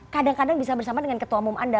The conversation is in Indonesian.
kadang kadang bisa bersama dengan ketua umum anda